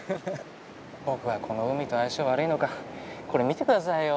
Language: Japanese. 僕はこの海と相性悪いのかこれ見てくださいよ。